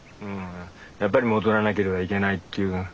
やっぱり戻らなければいけないっていう